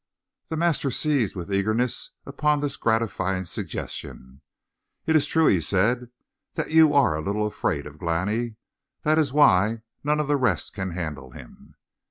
The master seized with eagerness upon this gratifying suggestion. "It is true," he said, "that you are a little afraid of Glani. That is why none of the rest can handle him."